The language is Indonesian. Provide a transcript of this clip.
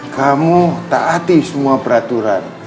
kamu taati semua peraturan